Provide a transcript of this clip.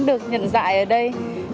được nhận dạy ở đây